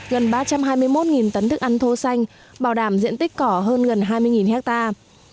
gần ba trăm hai mươi một tấn thức ăn thô xanh bảo đảm diện tích cỏ hơn gần hai mươi hectare